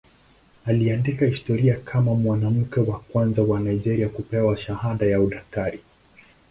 Aliandika historia kama mwanamke wa kwanza wa Nigeria kupewa shahada ya udaktari.